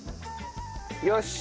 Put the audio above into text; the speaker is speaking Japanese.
よし。